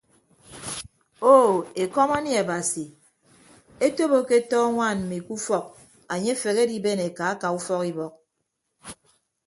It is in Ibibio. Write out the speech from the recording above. Oo ekọm anie abasi etop aketọ añwaan mmi ke ufọk anye afehe adiben eka aka ufọk ibọk.